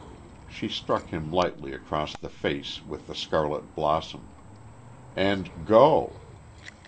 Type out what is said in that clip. '" she struck him lightly across the face with the scarlet blossom, "and go."